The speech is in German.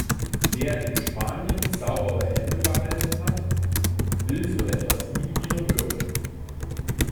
Wer in Spanien saubere Hände behalten hat, will so etwas nie wieder hören.